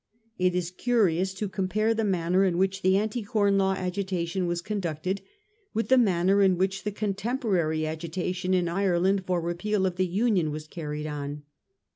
It is curious to compare the manner in which the Anti Corn Law agitation was conducted, with the manner in which the contem porary agitation in Ireland for Kepeal of the Union was carried on.